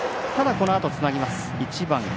このあとつなぎます。